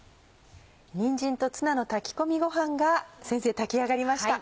にんじんとツナの炊き込みごはんが先生炊き上がりました。